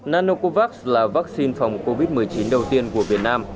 nanocovax là vaccine phòng covid một mươi chín đầu tiên của việt nam